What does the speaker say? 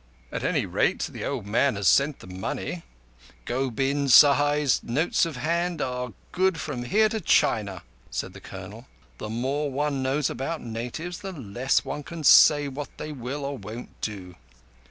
"At any rate, the old man has sent the money. Gobind Sahai's notes of hand are good from here to China," said the Colonel. "The more one knows about natives the less can one say what they will or won't do."